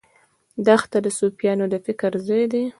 دښته د صوفیانو د فکر ځای دی.